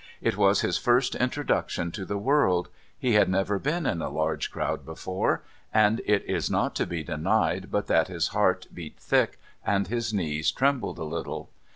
It was his first introduction to the world he had never been in a large crowd before and it is not to be denied but that his heart beat thick and his knees trembled a little.